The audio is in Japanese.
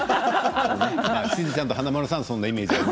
しずちゃんと華丸さんはそんなイメージ。